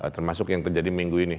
termasuk yang terjadi minggu ini